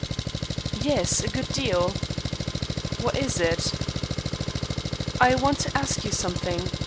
"Yes, a good deal." "What is it?" "I want to ask you something.